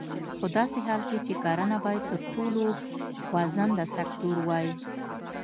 په داسې حال کې چې کرنه باید تر ټولو خوځنده سکتور وای.